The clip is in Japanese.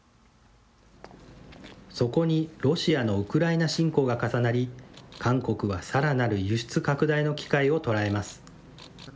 そこにロシアのウクライナ侵攻が重なり、韓国はさらなる輸出拡大の機会を捉えます。